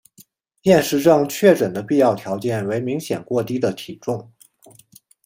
厌食症确诊的必要条件为明显过低的体重。